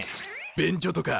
便所とか。